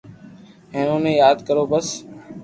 ھين اوني ياد ڪرو بس